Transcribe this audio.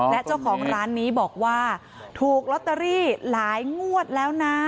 และเจ้าของร้านนี้บอกว่าถูกลอตเตอรี่หลายงวดแล้วนะ